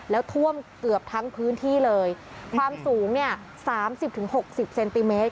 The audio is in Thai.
แล้วท่วมเกือบทั้งพื้นที่เลยความสูงเนี่ยสามสิบถึงหกสิบเซนติเมตร